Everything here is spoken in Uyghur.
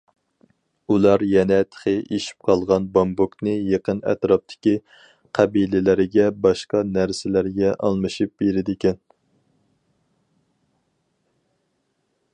ئۇلار يەنە تېخى ئېشىپ قالغان بامبۇكنى يېقىن ئەتراپتىكى قەبىلىلەرگە باشقا نەرسىلەرگە ئالمىشىپ بېرىدىكەن.